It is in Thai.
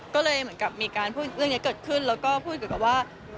ก็เลยเหมือนกับมีเรื่องนี้เกิดขึ้นแล้วก็พูดเกี่ยวกับว่า